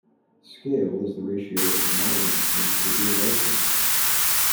Scale is the ratio of a model dimension to the real life dimension.